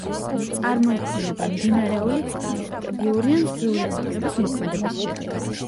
წარმოიქმნება მდინარეული წყლის, ტბიური ან ზღვიური ტალღების მოქმედების შედეგად.